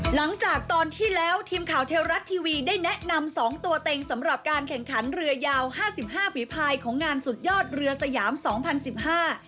หลังจากที่แล้วทีมข่าวเทวรัฐทีวีได้แนะนำสองตัวเต็งสำหรับการแข่งขันเรือยาวห้าสิบห้าฝีภายของงานสุดยอดเรือสยามสองพันสิบห้า